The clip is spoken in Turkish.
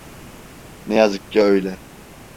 Ne yazık ki öyle.